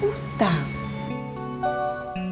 buat bayar utang